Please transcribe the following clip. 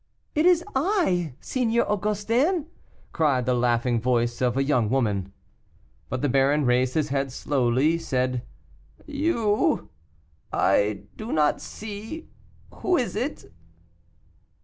"It is I, Seigneur Augustin!" cried the laughing voice of the young woman. But the baron, raising his head slowly, said, "You? I do not see. Who is it?"